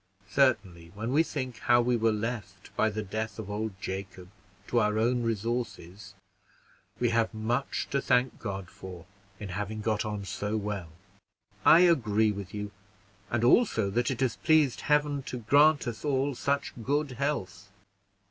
Certainly, when we think how we were left, by the death of old Jacob, to our own resources, we have much to thank God for, in having got on so well." "I agree with you, and also that it has pleased Heaven to grant us all such good health.